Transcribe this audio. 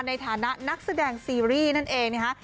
ในฐานะนักแสดงซีรีส์นั่นเองนะคะ